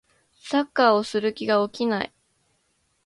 サッカーをする気が起きない